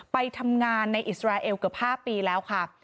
ไปทำงานในอิสราเอลเกือบ๕ปีแล้วค่ะ